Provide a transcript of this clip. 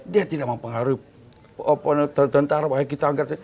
dia tidak mau pengaruhi tentara